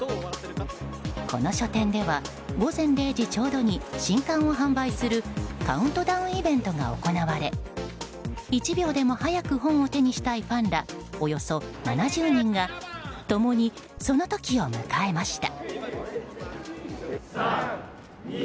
この書店では午前０時ちょうどに新刊を販売するカウントダウンイベントが行われ１秒でも早く本を手にしたいファンらおよそ７０人が共にその時を迎えました。